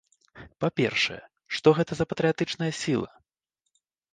Па-першае, што гэта за патрыятычныя сіла?